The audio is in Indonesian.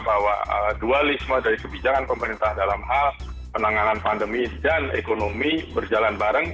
bahwa dualisme dari kebijakan pemerintah dalam hal penanganan pandemi dan ekonomi berjalan bareng